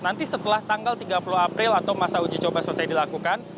nanti setelah tanggal tiga puluh april atau masa uji coba selesai dilakukan